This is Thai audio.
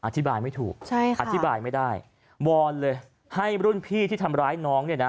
ไม่ถูกใช่ค่ะอธิบายไม่ได้วอนเลยให้รุ่นพี่ที่ทำร้ายน้องเนี่ยนะ